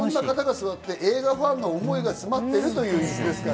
映画ファンの思いが詰まっているというイスですからね。